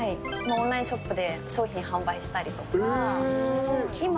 オンラインショップで商品販売したりとか。